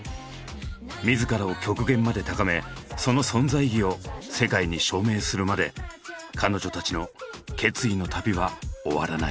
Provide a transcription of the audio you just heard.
自らを極限まで高めその存在意義を世界に証明するまで彼女たちの決意の旅は終わらない。